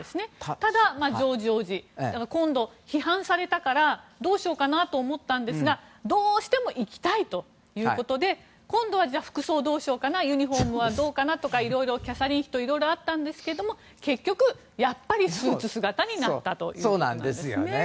ただ、ジョージ王子今度、批判されたからどうしようかなと思ったんですがどうしても行きたいということで今度は服装、どうしようかなユニホームはどうかなとかキャサリン妃といろいろあったんですけども結局、やっぱりスーツ姿になったということです。